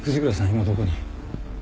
今どこに？